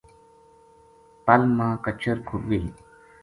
پل ما کچر کھُب گئی